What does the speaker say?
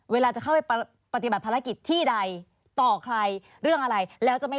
เวลาจะเข้าไปปฏิบัติภารกิจที่ใดต่อใครเรื่องอะไรแล้วจะไม่